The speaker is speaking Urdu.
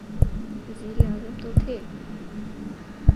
وزیراعظم تو تھے۔